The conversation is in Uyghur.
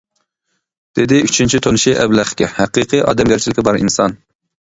-دېدى ئۈچىنچى تونۇشى ئەبلەخكە، -ھەقىقىي ئادەمگەرچىلىكى بار ئىنسان!